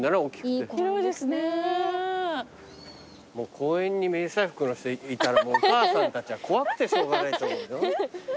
公園に迷彩服の人いたらお母さんたちは怖くてしょうがないと思うよ。